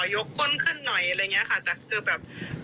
แต่คือแบบน้องก็คิดว่ามันเป็นการถ่ายรูปชุดว่ายน้ำ